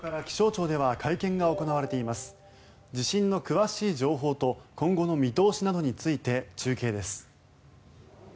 地震の詳しい情報と今後の見通しなどについて中継です。